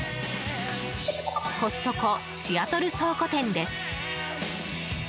コストコ・シアトル倉庫店です。